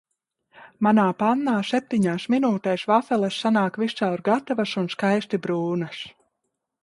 Manā pannā septiņās minūtēs vafeles sanāk viscaur gatavas un skaisti brūnas.